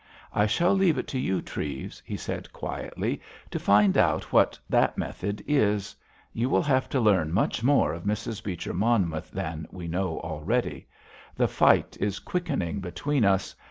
I shall leave it to you, Treves," he said quietly, "to find out what that method is. You will have to learn much more of Mrs. Beecher Monmouth than we know already. The fight is quickening between us.